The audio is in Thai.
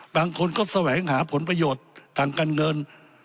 บางคนก็แสวงหาผลประโยชน์ทางการเงิน